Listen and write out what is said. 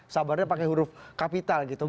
sabarnya pakai huruf kapital gitu